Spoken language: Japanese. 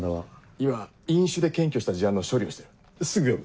今飲酒で検挙した事案の処理をしてるすぐ呼ぶ。